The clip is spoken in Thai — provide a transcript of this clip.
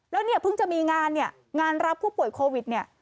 แล้วเนี่ยเพิ่งจะมีงานเนี่ยงานรับผู้ป่วยโควิดเนี่ย